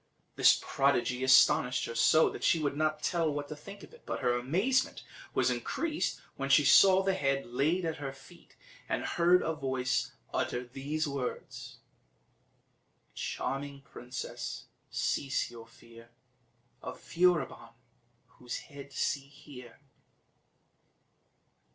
This prodigy astonished her so, that she could not tell what to think of it; but her amazement was increased when she saw the head laid at her feet, and heard a voice utter these words: "Charming princess, cease your fear Of Furibon; whose head see here."